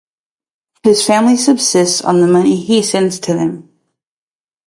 His family subsists on the money he sends to them.